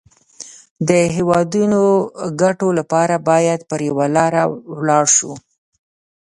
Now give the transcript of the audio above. د هېوادنيو ګټو لپاره بايد پر يوه لاره ولاړ شو.